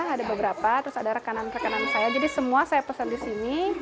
ada beberapa terus ada rekanan rekanan saya jadi semua saya pesan di sini